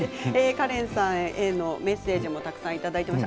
カレンさんへのメッセージもたくさんいただいています。